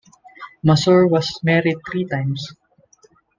Masur was married three times.